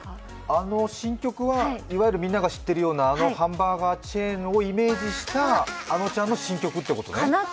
あの新曲は、いわゆるみんなが知ってるようなあのハンバーガーチェーンをイメージしたあのちゃんの新曲っていうことね。